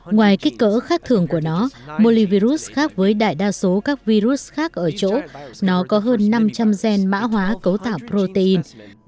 ngoài kích cỡ khác thường của nó molyvirus khác với đại đa số các virus khác ở chỗ nó có hơn năm trăm linh gen mã hóa cấu tả protein